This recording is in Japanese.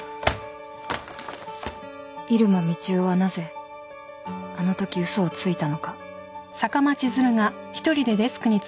［入間みちおはなぜあのとき嘘をついたのか］